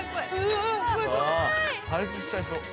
うわあ破裂しちゃいそう。